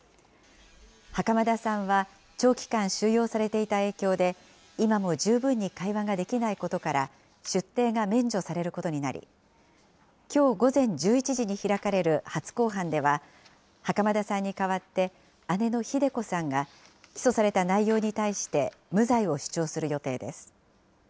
袴田さんは、長期間収容されていた影響で、今も十分に会話ができないことから、出廷が免除されることになり、きょう午前１１時に開かれる初公判では、袴田さんに代わって姉のひで子さんが、起訴された内容に対して、無罪を主張する予定です。